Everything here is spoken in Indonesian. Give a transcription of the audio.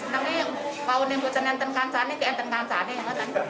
tapi kalau tidak menikah tidak bisa menikah